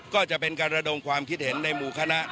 ก็จะเป็นการระดมความคิดเห็นในหมู่คณะ